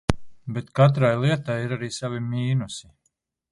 Bet katrai lietai ir arī savi mīnusi.